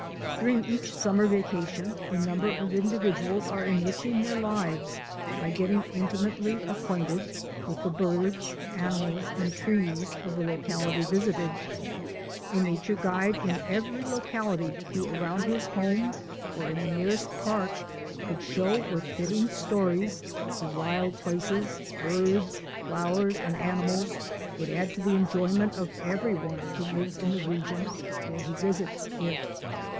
During each summer vacation a number of in dividuals are enriching their lives by getting in timately acquainted with the birds, animals, and trees of the locality visited. A nature guide in every locality who around his home or in the near est park could show with fitting stories the wild places, birds, flowers, and animals, would add to the enjoyment of everyone who lives in the region or who visits it.